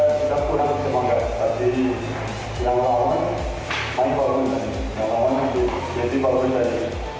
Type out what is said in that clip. yang lawan mainkan balon tadi